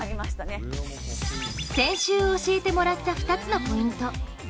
先週教えてもらった２つのポイント